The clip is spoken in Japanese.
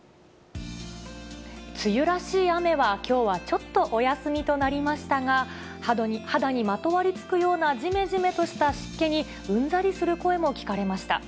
梅雨らしい雨は、きょうはちょっとお休みとなりましたが、肌にまとわりつくようなじめじめとした湿気に、うんざりする声も聞かれました。